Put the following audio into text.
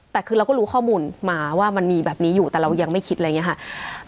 แต่คือเราก็รู้ข้อมูลมาว่ามันมีแบบนี้อยู่แต่เรายังไม่คิดอะไรอย่างนี้ค่ะ